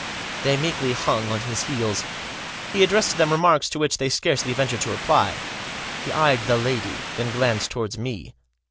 They meekly hung on his heels. He addressed to them remarks to which they scarcely ventured to reply. He eyed the lady. Then glanced towards me.